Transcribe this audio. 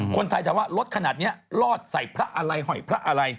คนไทยถามว่ารถขนาดนี้รอดใส่พระอะไรหอยพระอะไร